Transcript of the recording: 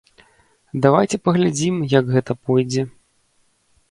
Давайце паглядзім, як гэта пойдзе.